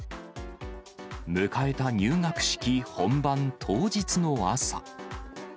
迎えた入学式本番当日の朝。